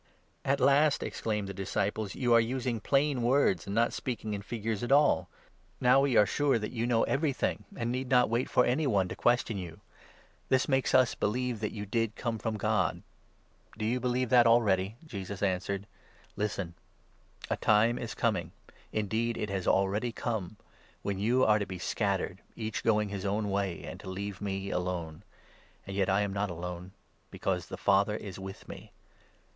"At last," exclaimed the disciples, "you are using plain 29 words and1 not speaking in figures at all. Now we are sure 30 that you know everything, and need not wait for any one to » Isa, 66. 14. JOHN, lfc 17. Ito question you. This makes qs believe that you did come from God." " Do you believe that already ?" Jesus answered. " Listen ! 31, 32 a time is coming — indeed it has already come — when you are to be scattered, each going his own way, and to leave me alone ; and yet I am not alone, because the Father is with me.